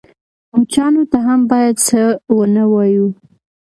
_مچانو ته هم بايد څه ونه وايو.